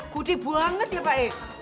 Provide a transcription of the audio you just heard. kudih banget ya pak eh